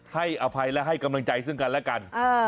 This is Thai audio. อภัยและให้กำลังใจซึ่งกันและกัน